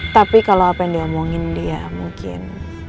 tapi kalau apa yang diomongin dia mungkin